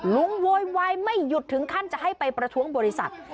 โวยวายไม่หยุดถึงขั้นจะให้ไปประท้วงบริษัท